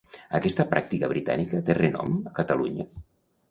Aquesta pràctica britànica té renom, a Catalunya?